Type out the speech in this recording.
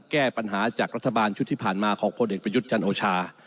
แก้ปัญหาจากรัฐบาลชุดที่ผ่านมาของพลเอกประยุทธ์จันโอชา